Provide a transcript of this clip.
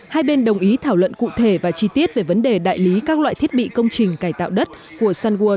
hai bên đồng ý thảo luận cụ thể và chi tiết về vấn đề đại lý các loại thiết bị công trình cải tạo đất của sunwood